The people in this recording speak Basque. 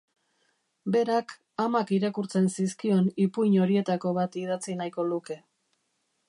Berak amak irakurtzen zizkion ipuin horietako bat idatzi nahiko luke.